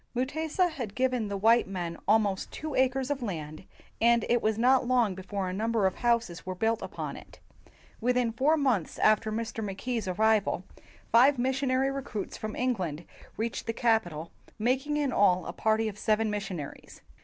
Mutesa had given the white men almost two acres of land, and it was not long before a number of houses were built upon it. Within four months after Mr. Mackay 's ar rival, five missionary recruits from England reached the capital, making in all a party of seven missionaries.